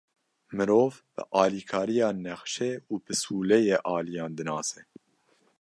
Mirov, bi alîkariya nexşe û pisûleyê aliyan dinase.